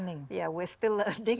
ya kita masih belajar